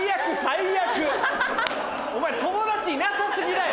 お前友達いなさ過ぎだよ！